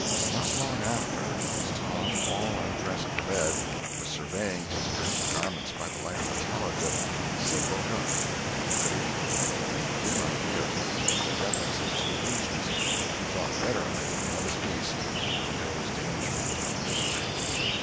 Not long after, as Tom, all undressed for bed, was surveying his drenched garments by the light of a tallow dip, Sid woke up; but if he had any dim idea of making any "references to allusions," he thought better of it and held his peace, for there was danger in Tom's eye.